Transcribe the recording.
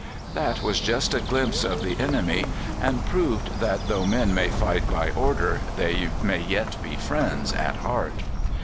That was just a glimpse of the enemy, and proved that, though men may fight by order, they may yet be friends at heart.